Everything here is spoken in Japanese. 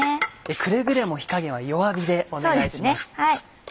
くれぐれも火加減は弱火でお願いします。